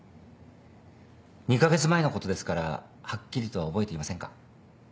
２カ月前のことですからはっきりとは覚えていませんか。